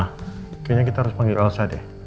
kayaknya kita harus panggil alsa deh